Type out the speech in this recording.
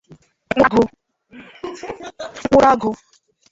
mkpụrụ ụgụ